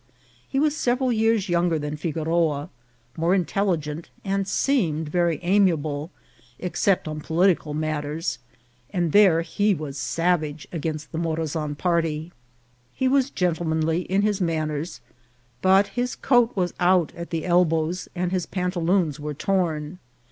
He was several years younger than Figoroa, more intelligent, and seemed very amia ble except on political matters, and there he was savage against the Morazan party. He was gentlemanly in his manners, but his coat was out at the elbows, and his pantaloons were torn.